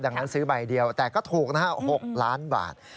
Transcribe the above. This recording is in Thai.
ดังนั้นซื้อใบเดียวแต่ก็ถูกนะฮะ๖ล้านบาท